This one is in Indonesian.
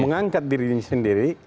dia mengangkat dirinya sendiri